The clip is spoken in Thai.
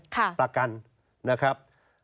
ค่ะตะกันนะครับ